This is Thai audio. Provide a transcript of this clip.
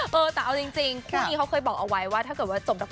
พี่แจ๊คไม่แต่งนะ